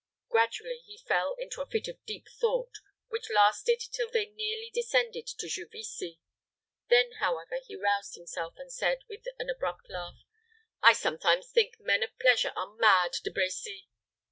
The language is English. Gradually he fell into a fit of deep thought, which lasted till they nearly descended to Juvisy. Then, however, he roused himself, and said, with an abrupt laugh, "I sometimes think men of pleasure are mad, De Brecy."